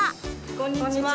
こんにちは。